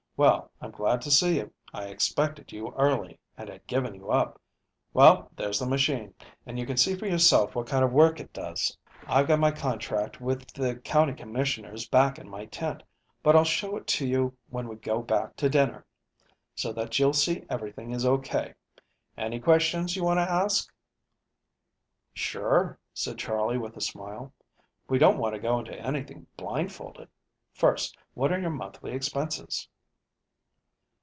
Well, I'm glad to see you. I expected you early and had given you up. Well, there's the machine, and you can see for yourself what kind of work it does. I've got my contract with the county commissioners back in my tent, but I'll show it to you when we go back to dinner, so that you'll see everything is O. K. Any questions you want to ask?" "Sure," said Charley, with a smile. "We don't want to go into anything blindfolded. First, what are your monthly expenses?"